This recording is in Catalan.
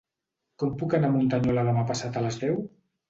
Com puc anar a Muntanyola demà passat a les deu?